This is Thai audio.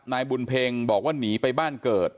นายบุญเพ็งบอกว่าหนีไปบ้านเกิด